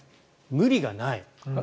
無理がない。